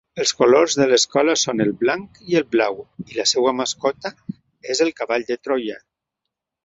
Els colors de l'escola són el blanc i el blau, i la seva mascota és el cavall de Troia.